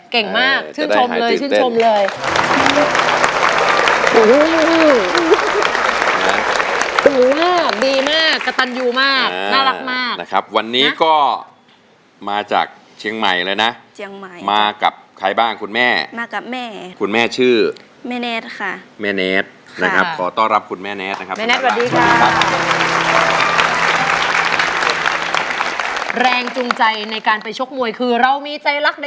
เก่งมากชื่นชมเลยชื่นชมเลย